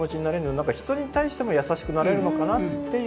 何か人に対しても優しくなれるのかなっていう。